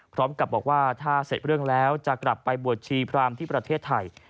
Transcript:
พร้อมกับบอกว่าถ้าเสร็จเรื่องแล้วจะกลับไปบวชชีพรามที่ประเทศไทย